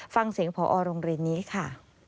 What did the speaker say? ฟังเสียงพอโรงเรียนนี้ค่ะ